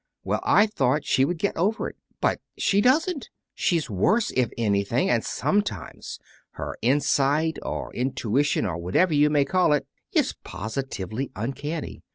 "Well, I thought she would get over it. But she doesn't. She's worse, if anything; and sometimes her insight, or intuition, or whatever you may call it, is positively uncanny.